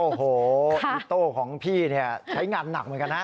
โอ้โฮโต้ของพี่ใช้งานหนักเหมือนกันนะ